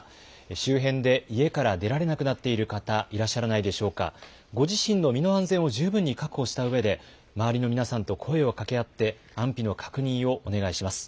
周辺で家から出られなくなっている方、いらっしゃらないでしょうか、ご自身の身の安全を十分に確保したうえで、周りの皆さんと声をかけ合って、安否の確認をお願いします。